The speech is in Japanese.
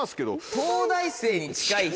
東大生に近い人。